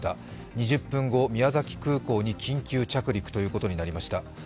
２０分後、宮崎空港に緊急着陸ということになりました。